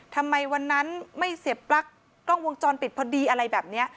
ทำไมวันนั้นไม่เสียบปลั๊กกล้องวงจรปิดพอดีอะไรแบบนี้